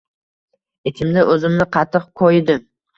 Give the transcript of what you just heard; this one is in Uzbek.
Ichimda o’zimni qattiq koyidim.